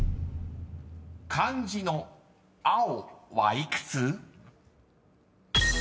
［漢字の「青」は幾つ？］